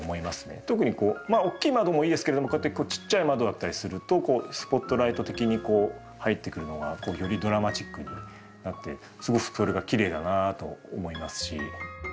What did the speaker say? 特にこうまあ大きい窓もいいですけれどもこうやって小さい窓だったりするとスポットライト的にこう入ってくるのがよりドラマチックになってすごくそれがきれいだなと思いますし。